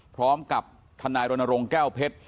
พร้อมกับทนายรณรงค์แก้วเพชร